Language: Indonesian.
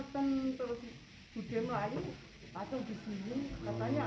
teman budi di atas enggak ada kok